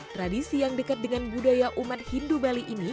tradisi yang dekat dengan budaya umat hindu bali ini